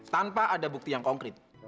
tanpa ada bukti yang konkret